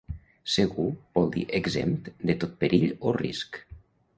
"Segur" vol dir exempt de tot perill o risc.